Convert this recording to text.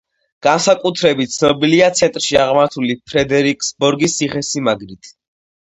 განსაკუთრებით ცნობილია ცენტრში აღმართული ფრედერიკსბორგის ციხესიმაგრით.